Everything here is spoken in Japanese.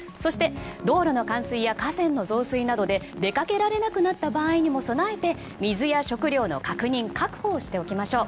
道路の冠水や河川の増水などで出かけられなくなった場合にも備えて水や食料の確認確保をしておきましょう。